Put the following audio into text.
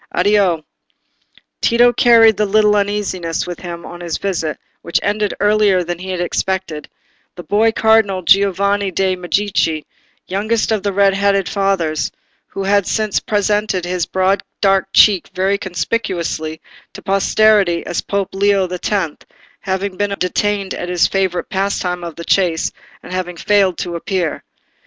Addio." Tito carried a little uneasiness with him on his visit, which ended earlier than he had expected, the boy cardinal Giovanni de' Medici, youngest of red hatted fathers, who has since presented his broad dark cheek very conspicuously to posterity as Pope Leo the Tenth, having been detained at his favourite pastime of the chase, and having failed to appear.